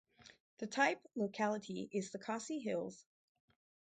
The type locality is the Khasi Hills.